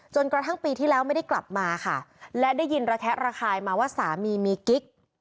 จนกระทั่งปีที่แล้วไม่ได้กลับมาค่ะและได้ยินระแคะระคายมาว่าสามีมีกิ๊ก